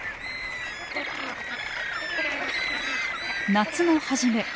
夏の初め。